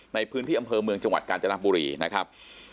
ในพื้นที่อำเภอเมืองจังหวัดกาญจนบุรีนะครับ